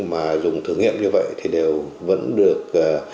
mà dùng thử nghiệm như vậy thì đều vẫn được